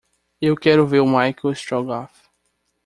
Eu quero ver o Michel Strogoff